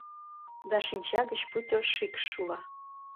Да шинча гыч, пуйто шикш, шула.